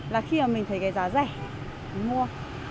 là khi mà mình thấy cái giá rẻ mình mua